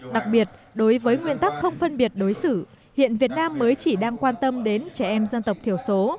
đặc biệt đối với nguyên tắc không phân biệt đối xử hiện việt nam mới chỉ đang quan tâm đến trẻ em dân tộc thiểu số